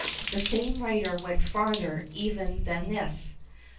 The same writer went farther even than this.